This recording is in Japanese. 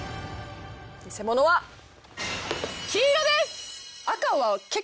偽者は黄色です。